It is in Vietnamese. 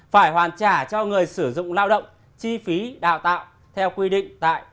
phải hoàn trả cho người sử dụng lao động chi phí đào tạo theo quy định tại